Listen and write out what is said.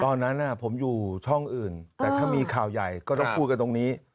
ตอนนั้นผมอยู่ช่องอื่นแต่ถ้ามีข่าวใหญ่ก็ต้องพูดกันตรงนี้